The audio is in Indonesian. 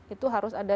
itu harus ada